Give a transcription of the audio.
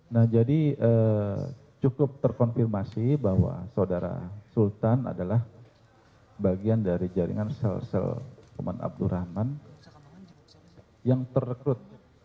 nah jadi cukup terkonfirmasi bahwa saudara sultan adalah bagian dari jaringan sel sel oman abdurrahman yang terekrut